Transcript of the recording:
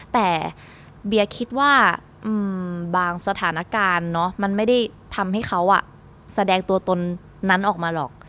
แต่เบียคิดว่าบางสถานการณ์มันไม่ได้ทำให้เขาแสดงตัวตนนั้นออกมาหรอก